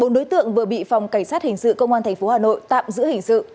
bốn đối tượng vừa bị phòng cảnh sát hình sự công an tp hà nội tạm giữ hình sự